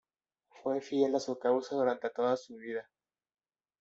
Fue fiel a su causa durante toda su vida.